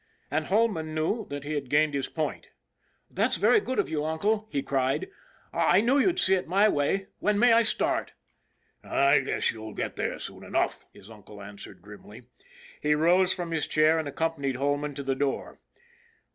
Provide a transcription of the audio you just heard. And Holman knew that he had gained his point. " That's very good of you, uncle," he cried. " I knew you'd see it my way. When may I start ?"" I guess you'll get there soon enough," his uncle answered grimly. He rose from his chair and accom panied Holman to the door.